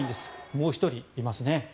もう１人いますね。